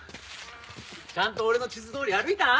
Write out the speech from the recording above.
ちゃんと俺の地図どおり歩いたん？